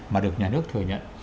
mà được nhà nước thừa nhận